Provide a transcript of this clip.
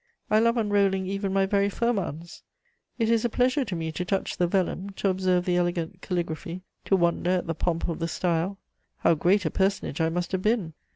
I love unrolling even my very firmans: it is a pleasure to me to touch the vellum, to observe the elegant caligraphy, to wonder at the pomp of the style. How great a personage I must have been!